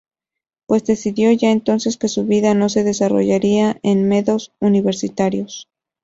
Pues decidió ya, entonces, que su vida no se desarrollaría en medos universitarios.